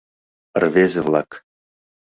Рвезе-влак: